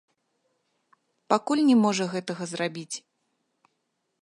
Пакуль не можа гэтага зрабіць.